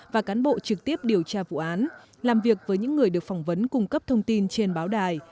và cán bộ trực tiếp điều tra vụ án làm việc với những người được phỏng vấn cung cấp thông tin trên báo đài